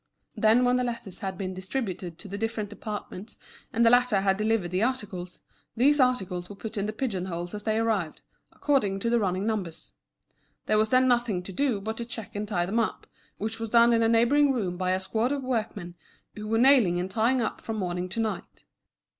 Then when the letters had been distributed to the different departments and the latter had delivered the articles, these articles were put in the pigeon holes as they arrived, according to the running numbers. There was then nothing to do but to check and tie them up, which was done in a neighbouring room by a squad of workmen who were nailing and tying up from morning to night.